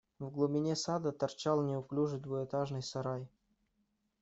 В глубине сада торчал неуклюжий двухэтажный сарай.